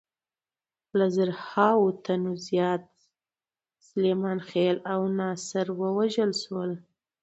له زرهاوو تنو زیات سلیمان خېل او ناصر ووژل شول.